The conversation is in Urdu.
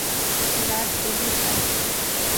ویراٹ کوہلی شاہد